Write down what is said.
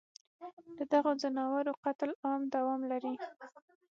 ددغو ځناورو قتل عام دوام لري